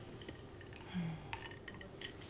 うん。